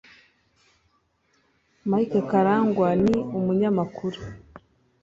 Mike Karangwa ni umunyamakuru